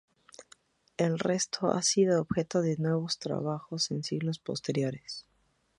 El resto ha sido objeto de nuevos trabajos en siglos posteriores.